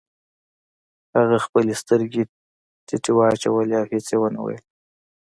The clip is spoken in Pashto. هغې خپلې سترګې ټيټې واچولې او هېڅ يې ونه ويل.